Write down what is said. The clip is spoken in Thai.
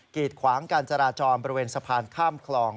ีดขวางการจราจรบริเวณสะพานข้ามคลอง